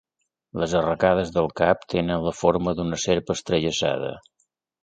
Les arracades del cap tenen la forma d'una serp entrellaçada.